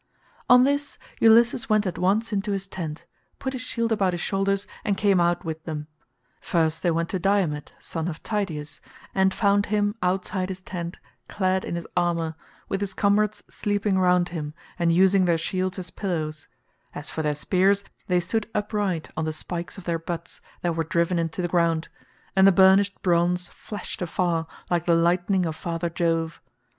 On this Ulysses went at once into his tent, put his shield about his shoulders and came out with them. First they went to Diomed son of Tydeus, and found him outside his tent clad in his armour with his comrades sleeping round him and using their shields as pillows; as for their spears, they stood upright on the spikes of their butts that were driven into the ground, and the burnished bronze flashed afar like the lightning of father Jove.